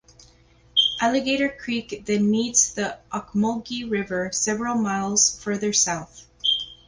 Alligator Creek then meets the Ocmulgee River several miles further south.